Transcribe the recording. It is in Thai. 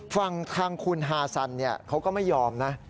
ฝั่งทางคุณฮาซันเขาก็ไม่ยอมนะ